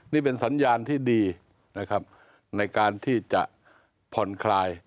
นี่เป็นสัญญาณที่ดีนะครับในการที่จะผ่อนคลาย